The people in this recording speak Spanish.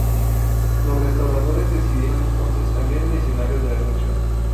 Los restauradores decidieron entonces cambiar el escenario de la lucha.